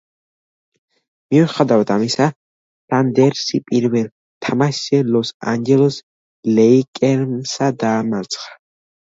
მიუხედავად ამისა, სანდერსი პირველ თამაშზე ლოს-ანჯელეს ლეიკერსმა დაამარცხა.